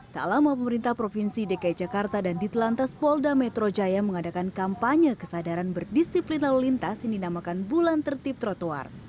tak lama pemerintah provinsi dki jakarta dan ditelantas polda metro jaya mengadakan kampanye kesadaran berdisiplin lalu lintas yang dinamakan bulan tertib trotoar